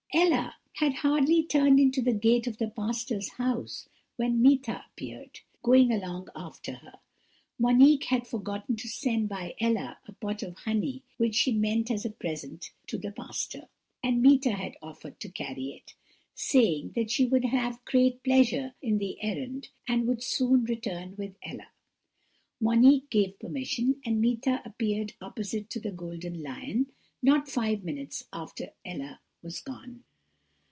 "Ella had hardly turned into the gate of the pastor's house when Meeta appeared, going along after her. Monique had forgotten to send by Ella a pot of honey which she meant as a present to the pastor; and Meeta had offered to carry it, saying that she would have great pleasure in the errand, and would return with Ella. Monique gave permission; and Meeta appeared opposite to the Golden Lion not five minutes after Ella was gone.